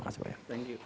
terima kasih banyak